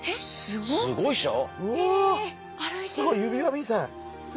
すごい指輪みたい。